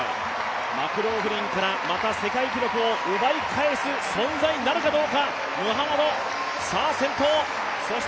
マクローフリンからまた世界記録を奪い返す存在なるかどうか。